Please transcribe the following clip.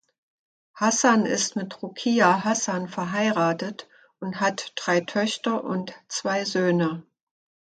Hassan ist mit Ruqia Hassan verheiratet und hat drei Töchter und zwei Söhne.